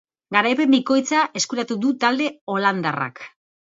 Garaipen bikoitza eskuratu du talde holandarrak.